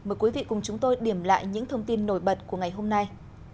mời quý vị cùng chúng tôi điểm lại những thông tin nổi bật của ngày hôm nay